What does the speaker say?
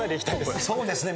「そうですね」